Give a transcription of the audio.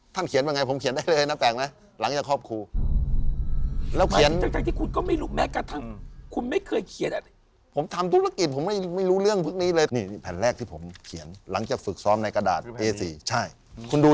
ท่านเขียนไปไงผมเขียนได้เลยแปลกมั้ยหลังจากครอบครู